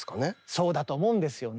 そうだと思うんですよね。